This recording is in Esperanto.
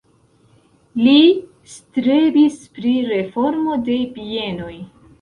Li strebis pri reformo de bienoj.